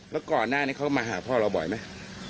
แล้วก่อนหน้านี้เขามาหาพ่อเราบ่อยไหม